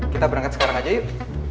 kita berangkat sekarang aja yuk